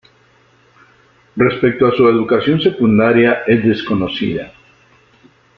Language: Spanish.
Respecto a su educación secundaria es desconocida.